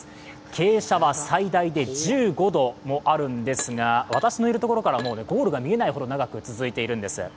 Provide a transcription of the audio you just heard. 傾斜は最大で１５度もあるんですが私のいるところから、ゴールが見えないほど長く続いているんです。